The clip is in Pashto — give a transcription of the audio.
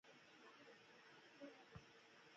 د ختیځې تراړې په اوږدو کې یوه ډله ژوند کوي.